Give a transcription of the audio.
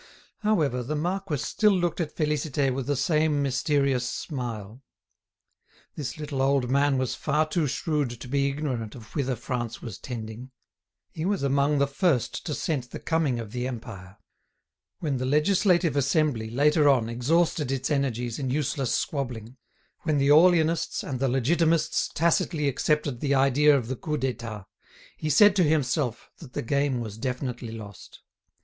However, the marquis still looked at Félicité with the same mysterious smile. This little old man was far too shrewd to be ignorant of whither France was tending. He was among the first to scent the coming of the Empire. When the Legislative Assembly, later on, exhausted its energies in useless squabbling, when the Orleanists and the Legitimists tacitly accepted the idea of the Coup d'État, he said to himself that the game was definitely lost.